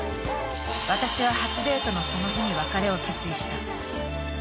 ［私は初デートのその日に別れを決意した］